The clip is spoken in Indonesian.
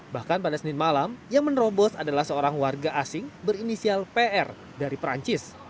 bahkan pada senin malam yang menerobos adalah seorang warga asing berinisial pr dari perancis